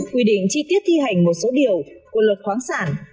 quy định chi tiết thi hành một số điều của luật khoáng sản